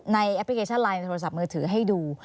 แอปพลิเคชันไลน์ในโทรศัพท์มือถือให้ดู